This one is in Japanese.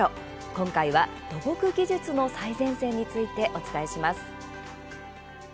今回は、土木技術の最前線についてお伝えします。